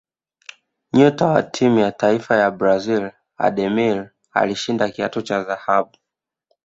nyota wa timu ya taifa ya brazil ademir alishinda kiatu cha dhahabu